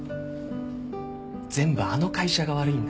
全部あの会社が悪いんだ。